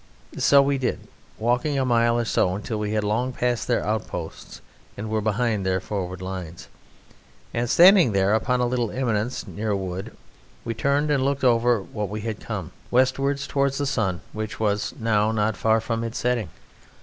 So we did, walking a mile or so until we had long passed their outposts and were behind their forward lines. And standing there, upon a little eminence near a wood, we turned and looked over what we had come, westward towards the sun which was now not far from its setting.